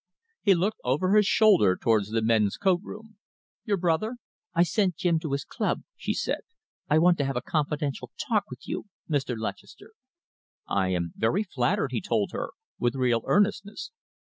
He looked over his shoulder towards the men's coat room. "Your brother?" "I sent Jim to his club," she said. "I want to have a confidential talk with you, Mr. Lutchester." "I am very flattered," he told her, with real earnestness.